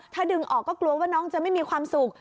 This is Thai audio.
ถ้าดึงออกก็กลัวว่าน้องจะไม่มีความสุข